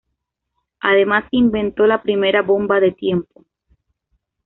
Además inventó la primera bomba de tiempo.